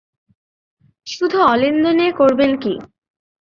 শুধু অলিন্দ নিয়ে করবেন কী?